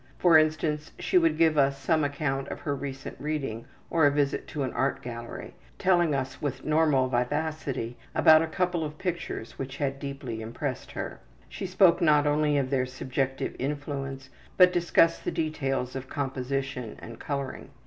For instance, she would give us some account of her recent reading, or a visit to an art gallery, telling us with normal vivacity about a couple of pictures which had deeply impressed her. She spoke not only of their subjective influence, but discussed the details of composition and coloring.